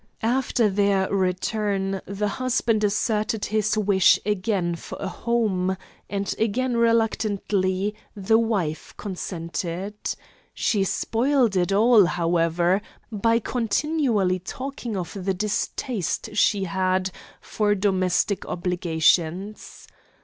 After their return the husband asserted his wish again for a home, and, again reluctantly, the wife consented. She spoiled it all, however, by continually talking of the distaste she had for domestic obligations.